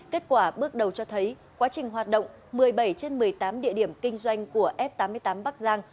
kết quả bước đầu cho thấy quá trình hoạt động một mươi bảy trên một mươi tám địa điểm kinh doanh của f tám mươi tám bắc giang